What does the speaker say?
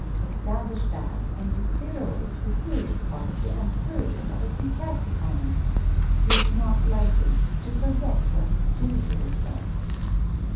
Establish that, and you clear away the serious part of the aspersion that has been cast upon him. He is not likely to forget what is due to himself.'